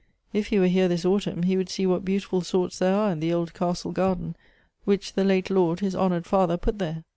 If he were here this autumn, he would sec what beautiful sorts there are in the old castle garden, which the late lord, his honored father, ])ut there.